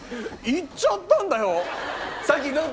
行っちゃったんだよ。